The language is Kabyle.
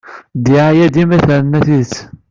Ddiɛaya dima terna tidet.